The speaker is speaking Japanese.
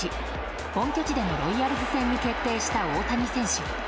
本拠地でのロイヤルズ戦に決定した、大谷選手。